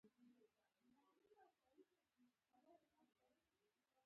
• زوی د مور د سترګو ستوری وي.